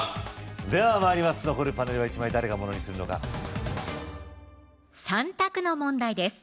では参ります残るパネルは１枚誰がものにするのか３択の問題です